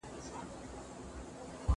پښتو بايد کمپيوټر ته دننه کړو.